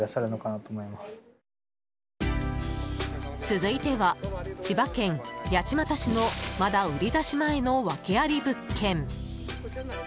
続いては、千葉県八街市のまだ売り出し前のワケあり物件。